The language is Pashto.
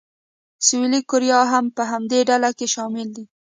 سویلي کوریا هم په همدې ډله کې شامل دی.